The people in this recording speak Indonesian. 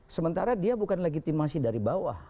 sementara dia bukan legitimasi dari bawah